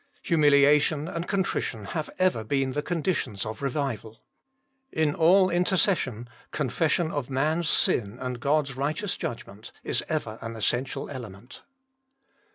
Humiliation and contri tion have ever been the conditions of revival. In all intercession confession of man s sin and God s righteous judgment is ever an essential element.